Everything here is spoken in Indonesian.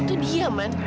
itu dia man